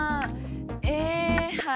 えはい。